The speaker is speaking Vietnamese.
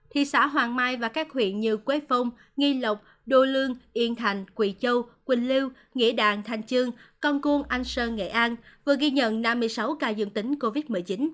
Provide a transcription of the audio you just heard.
thị xã hoàng mai và các huyện như quế phong nghi lộc đô lương yên thành quỳ châu quỳnh liêu nghĩa đàn thành chương con cuông anh sơn nghệ an vừa ghi nhận năm mươi sáu ca dương tính covid một mươi chín